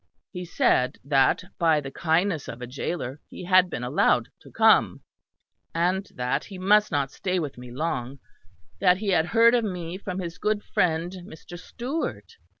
He said that by the kindness of a gaoler he had been allowed to come; and that he must not stay with me long; that he had heard of me from his good friend Mr. Stewart.